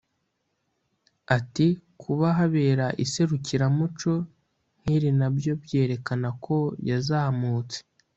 Ati “Kuba habera iserukiramuco nk’iri nabyo byerekana ko yazamutse